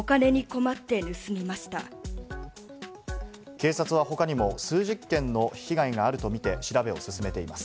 警察は他にも数十件の被害があると見て調べを進めています。